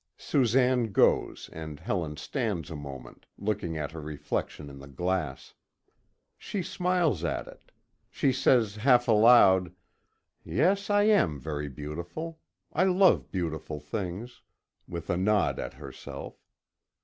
Susanne goes, and Helen stands a moment, looking at her reflection in the glass. She smiles at it. She says half aloud: "Yes, I am very beautiful. I love beautiful things" with a nod at herself.